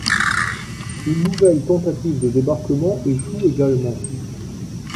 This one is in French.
Une nouvelle tentative de débarquement échoue également.